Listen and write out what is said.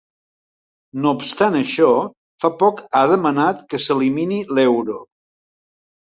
No obstant això, fa poc ha demanar que s'elimini l'euro.